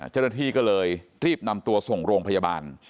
เจ้าหน้าที่ก็เลยรีบนำตัวส่งโรงพยาบาล